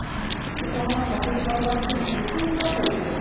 横浜家庭裁判所の所長などを務めました。